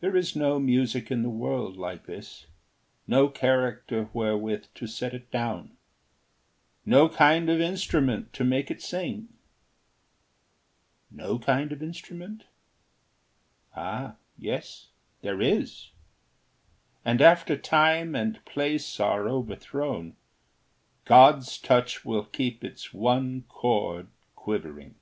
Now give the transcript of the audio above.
There is no music in the world like this, No character wherewith to set it down, No kind of instrument to make it sing. No kind of instrument? Ah, yes, there is! And after time and place are overthrown, God's touch will keep its one chord quivering.